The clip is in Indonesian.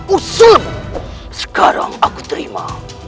usun sekarang aku terima